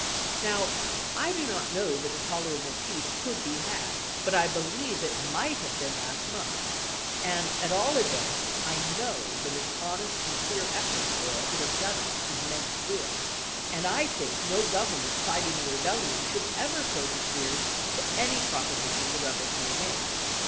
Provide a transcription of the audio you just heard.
Now I do not know that a tolerable peace could be had, but I believe it might have been last month ; and, at all events, I know that an honest, sincere effort for it would have done us immense good. And I think no Govern ment fighting a rebellion should ever close its ears to any proposition the rebels may make.